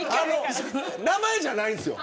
名前じゃないんですよ。